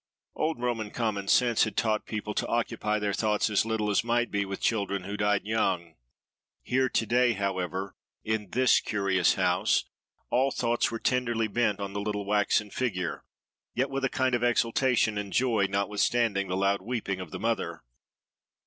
Old Roman common sense had taught people to occupy their thoughts as little as might be with children who died young. Here, to day, however, in this curious house, all thoughts were tenderly bent on the little waxen figure, yet with a kind of exultation and joy, notwithstanding the loud weeping of the mother.